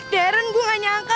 darren gua ngajaknya